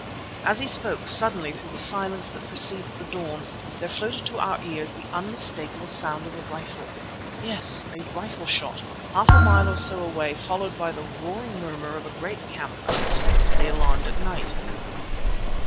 As he spoke, suddenly through the silence that precedes the dawn, there floated to our ears the unmistakable sound of a rifle. Yes, a rifle shot, half a mile or so away, followed by the roaring murmur of a great camp unexpectedly alarmed at night.